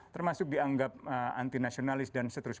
termasuk dianggap anti nasionalis dan seterusnya